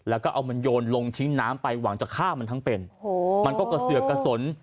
แล้วก็เอามันโยนลงทิ้งน้ำไปหวังจะฆ่ามันทั้งเป็นโอ้โหมันก็กระเสือกกระสน